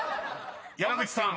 ［山口さん